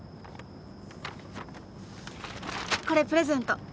これプレゼント。